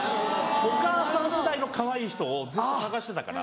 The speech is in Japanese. お母さん世代のかわいい人をずっと探してたから。